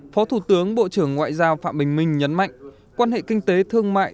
phó thủ tướng bộ trưởng ngoại giao phạm bình minh nhấn mạnh quan hệ kinh tế thương mại